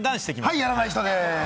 はい、やらない人です！